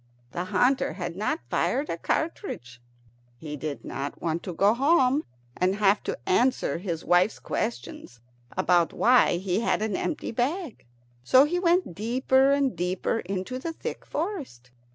The hunter had not fired a cartridge. He did not want to go home and have to answer his wife's questions about why he had an empty bag, so he went deeper and deeper into the thick forest.